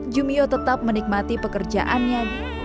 jumio tetap menikmati pekerjaannya